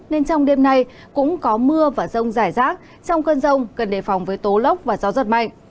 nên trong đêm nay cũng có mưa và rông rải rác trong cơn rông cần đề phòng với tố lốc và gió giật mạnh